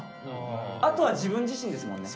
あとは自分自身ですもんね。